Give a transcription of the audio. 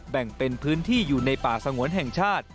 แบ่งเป็นพื้นที่อยู่ในป่าสงวนแห่งชาติ